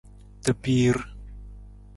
Tabiir.